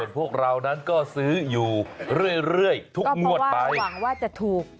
ส่วนพวกเรานั้นก็ซื้ออยู่เรื่อยทุกหมดไปก็เพราะว่าหวังว่าจะถูก